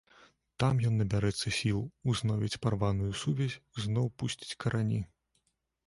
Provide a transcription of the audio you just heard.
Там ён набярэцца сіл, узновіць парваную сувязь, зноў пусціць карані.